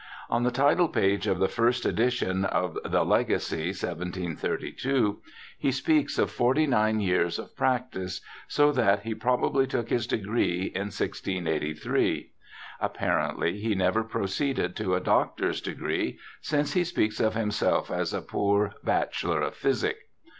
On the title page of the first edition of the Legacy, 1732, he speaks of forty nine years of practice, so that he pro bably took his degree in 1683. Apparently he never proceeded to a doctor's degree, since he speaks of himself as a ' poor Bachelor of physic